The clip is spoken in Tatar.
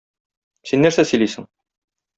Син нәрсә сөйлисең?